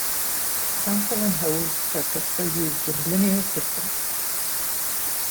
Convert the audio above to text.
Sample and hold circuits are used in linear systems.